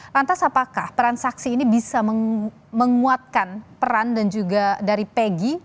lantas apakah peran saksi ini bisa menguatkan peran dan juga dari pegi